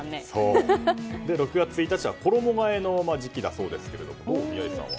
６月１日は衣替えの時期だそうですが、宮司さんは？